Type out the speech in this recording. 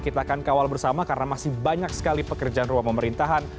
kita akan kawal bersama karena masih banyak sekali pekerjaan rumah pemerintahan